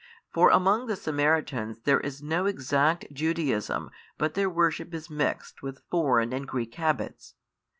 For among the Samaritans there is no exact Judaism but their worship is mixed with foreign and Greek habits.